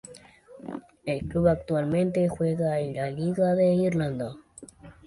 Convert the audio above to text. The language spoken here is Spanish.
El club actualmente juega en la Liga de Irlanda.